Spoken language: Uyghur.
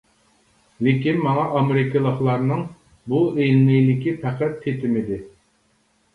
لېكىن ماڭا ئامېرىكىلىقلارنىڭ بۇ ئىلمىيلىكى پەقەت تېتىمىدى.